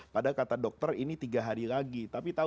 padahal kata dokter ini tiga hari lagi